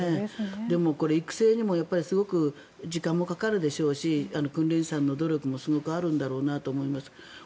でも、育成にもすごく時間もかかるでしょうし訓練士さんの努力もすごくあるんだろうなと思います。